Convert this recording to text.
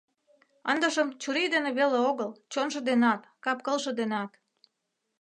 Ындыжым чурий дене веле огыл — чонжо денат, кап-кылже денат.